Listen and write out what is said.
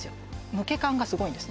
抜け感がすごいんですね